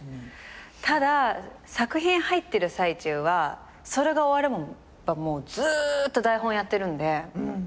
ただ作品入ってる最中はそれが終わればもうずーっと台本やってるんで休んだ気にならないです。